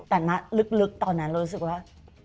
แต่ณลึกตอนนั้นเรารู้สึกว่า